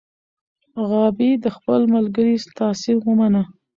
غابي د خپل ملګري تاثیر ومنه.